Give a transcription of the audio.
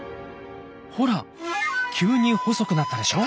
ほら急に細くなったでしょ？